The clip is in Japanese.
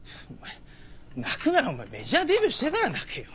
泣くならお前メジャーデビューしてから泣けよ。